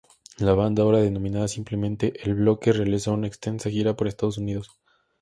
La banda, ahora denominada simplemente "El Bloque", realizó una extensa gira por Estados Unidos.